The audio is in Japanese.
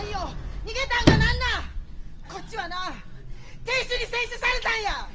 こっちはな亭主に戦死されたんや！